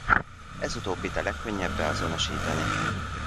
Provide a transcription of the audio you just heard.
Ez utóbbit a legkönnyebb beazonosítani.